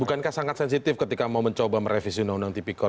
bukankah sangat sensitif ketika mau mencoba merevisi undang undang tipikor